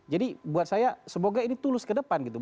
jadi buat saya semoga ini tulus ke depan gitu